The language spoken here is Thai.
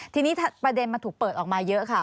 ทีนี้ประเด็นมันถูกเปิดออกมาเยอะค่ะ